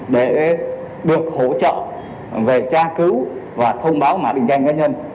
để được hỗ trợ về tra cứu và thông báo mã định danh cá nhân